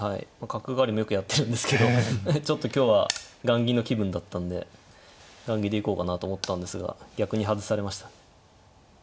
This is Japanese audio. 角換わりもよくやってるんですけどちょっと今日は雁木の気分だったんで雁木で行こうかなと思ったんですが逆に外されました。